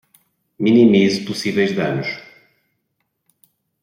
Minimize possíveis danos